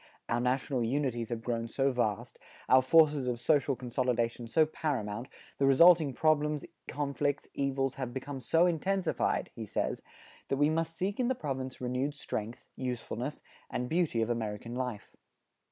"Our national unities have grown so vast, our forces of social consolidation so paramount, the resulting problems, conflicts, evils, have become so intensified," he says, that we must seek in the province renewed strength, usefulness and beauty of American life.